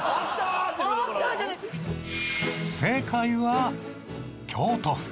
正解は京都府。